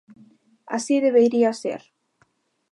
Así debería ser.